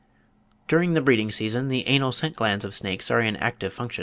During the breeding season the anal scent glands of snakes are in active function (59.